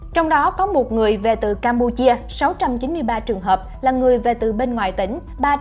trong đó có một người về từ campuchia sáu trăm chín mươi ba trường hợp là người về từ bên ngoài tỉnh